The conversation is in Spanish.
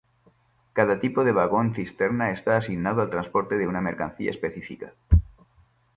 Cada tipo de vagón cisterna está asignado al transporte de una mercancía específica.